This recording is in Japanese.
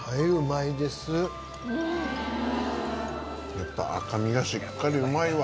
やっぱ赤身がしっかりうまいわ。